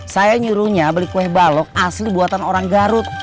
saya nyuruhnya beli kue balok asli buatan orang garut